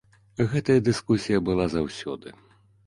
Гэтая дыскусія была заўсёды.